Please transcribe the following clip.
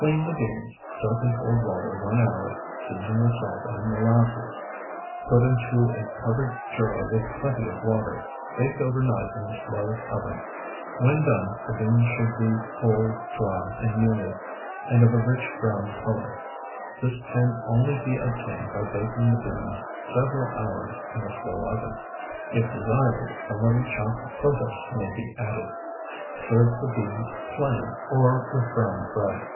Clean the beans, soak in cold water one hour, season with salt and molasses. Put into a covered jar with plenty of water; bake overnight in a slow oven. When done, the beans should be whole, dry, and mealy, and of a rich brown color. This can only be obtained by baking the beans several hours in a slow oven. If desired, a little chopped protose may be added. Serve the beans plain, or with brown bread.